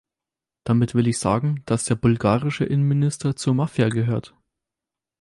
Damit will ich sagen, dass der bulgarische Innenminister zur Mafia gehört.